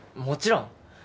もちろん。